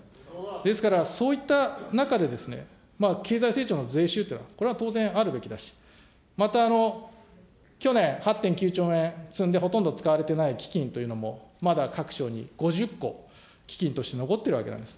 ですから、そういった中で経済成長の税収というのは、これは当然あるべきだし、また、去年、８．９兆円積んで、ほとんど使われていない基金というのもまだ各省に５０個、基金として残っているわけなんです。